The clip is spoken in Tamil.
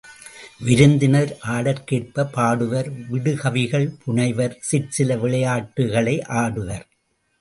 விருந்தினர் ஆடற்கேற்பப் பாடுவர் விடு கவிகள் புனைவர் சிற்சில விளையாட்டுகளை ஆடுவர்.